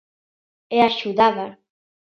E axudaba.